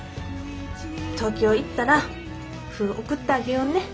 東京行ったら麩送ってあげようね。